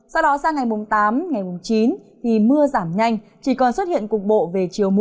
sau đó sang ngày tám ngày chín thì mưa giảm nhanh chỉ còn xuất hiện cục bộ về chiều mưa